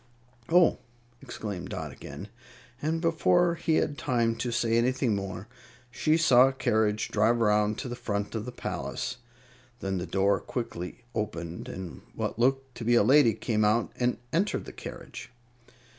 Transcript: "Oh!" exclaimed Dot again, and before he had time to say anything more she saw a carriage drive around to the front of the palace. Then the door quickly opened, and what looked to be a lady came out and entered the carriage.